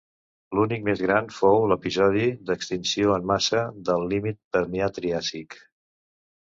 L'únic més gran fou l'episodi d'extinció en massa del límit Permià-Triàsic.